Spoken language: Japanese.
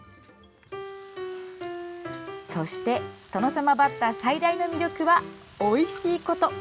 そして、トノサマバッタ最大の魅力はおいしいこと。